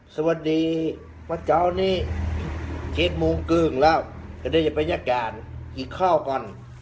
สวัสดีว่าเจ้านี่เทศโมงกึ่งแล้วทำเจ้าไปอย่างการอีกข้อก่อน